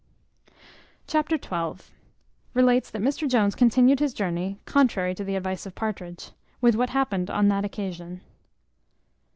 Chapter xii. Relates that Mr Jones continued his journey, contrary to the advice of Partridge, with what happened on that occasion.